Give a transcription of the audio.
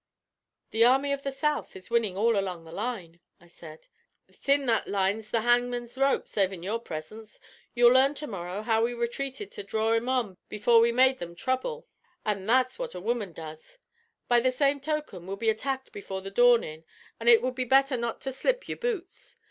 "The Army of the South is winning all along the line," I said. "Thin that line's the hangman's rope, savin' your presence. You'll learn to morrow how we retreated to dhraw thim on before we made thim trouble, an' that's what a woman does. By the same token, we'll be attacked before the dawnin', an' ut would be betther not to slip your boots.